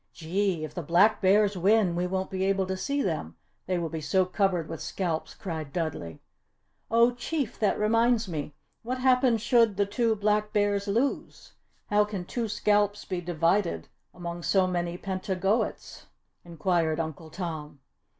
"Gee! If the Black Bears win we won't be able to see them they will be so covered with scalps," cried Dudley. "Oh Chief! that reminds me! What happens should the two Black Bears lose? How can two scalps be divided among so many Pentagoets?" inquired Uncle Tom.